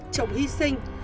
chồng hy sinh